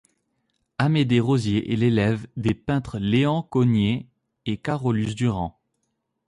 Amédée Rosier est l'élève des peintres Léon Cogniet et Carolus-Duran.